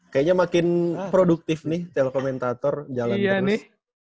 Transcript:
kayaknya makin produktif nih telekomentator jalan terus iya nih